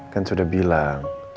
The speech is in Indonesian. kan sudah bilang